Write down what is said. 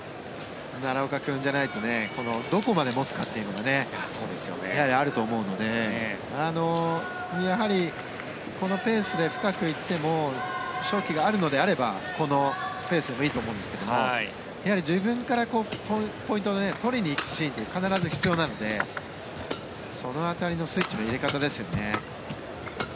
奈良岡君じゃないとどこまで持つかというのがやはりあると思うのでやはりこのペースで深く行っても勝機があるのであればこのペースでもいいと思うんですが自分からポイントを取りに行くシーンって必ず必要なのでその辺りのスイッチの入れ方ですよね。